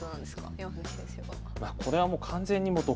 山崎先生は。